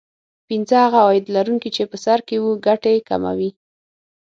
پینځه هغه عاید لرونکي چې په سر کې وو ګټې کموي